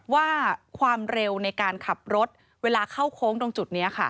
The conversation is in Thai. ว่าความเร็วในการขับรถเวลาเข้าโค้งตรงจุดนี้